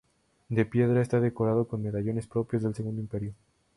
De piedra, está decorado con medallones propios del Segundo Imperio.